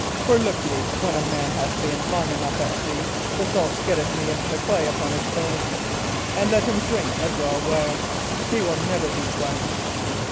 For, look ye, when a man hath been long enough at sea, the salt getteth me into the clay upon his bones; and let him drink a draw well, he will never be quenched."